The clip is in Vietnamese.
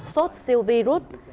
sốt siêu virus